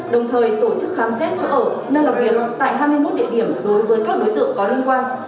đồng thời tổ chức khám xét chỗ ở nơi làm việc tại hai mươi một địa điểm đối với các đối tượng có liên quan